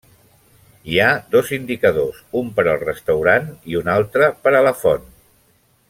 Hi ha dos indicadors: un per al restaurant i un altre per a la font.